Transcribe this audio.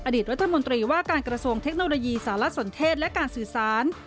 รัฐมนตรีว่าการกระทรวงเทคโนโลยีสารสนเทศและการสื่อสาร